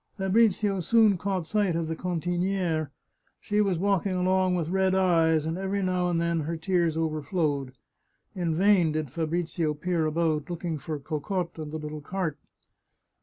Fabrizio soon caught sight of the cantiniere; she was walk ing along with red eyes, and every now and then her tears overflowed. In vain did Fabrizio peer about, looking for Cocotte and the little cart.